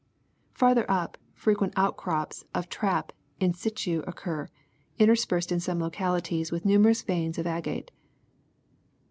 Farther up, frequent outcrops of trap in situ occur, interspersed in some localities with numerous veins of agate.